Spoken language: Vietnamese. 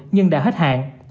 nhân đã hết hạn